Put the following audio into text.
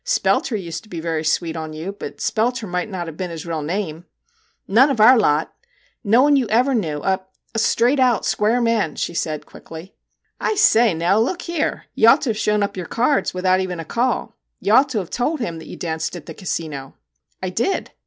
Spelter used to be very sweet on you but Spelter mightn't have been his real name ?'' None of our lot ! no one you ever knew a a straight out, square man,' she said quickly. ' I say, Nell, look here ! You ought to have shown up your cards without even a call. You ought to have told him that you danced at the Casino.' 1 1 did.'